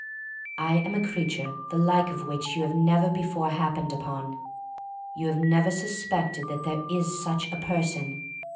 I am a creature the like of which you have never before hap pened upon. You have never suspected that there is such a person.